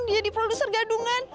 dia jadi produser gadungan